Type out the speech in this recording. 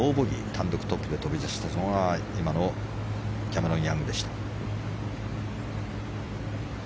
単独トップで飛び出した今のキャメロン・ヤングでした。